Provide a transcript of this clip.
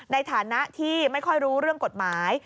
ในฐานะที่ไม่ค่อยรู้เรื่องกฎหมาย